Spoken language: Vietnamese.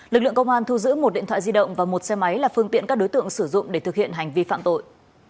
lực lượng công an thu giữ một điện thoại di động và một xe máy là phương tiện các đối tượng sử dụng để thực hiện hành vi phạm tội